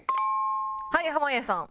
はい濱家さん。